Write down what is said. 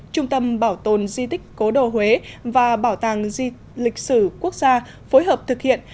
trung tâm bảo tồn di tích cố đồ huế và bảo tàng di lịch sử quốc gia phối hợp thực hiện